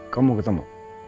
kamu mau ketemu